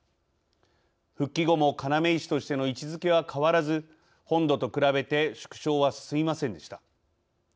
復帰後も要石としての位置づけは変わらず本土と比べて縮小は進みませんでした。